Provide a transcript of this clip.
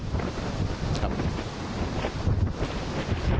ครับ